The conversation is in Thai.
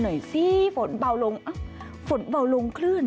หน่อยซิฝนเบาลงขึ้น